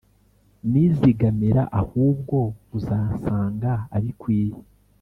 nizigamira ahubwo uzansanga abikwiye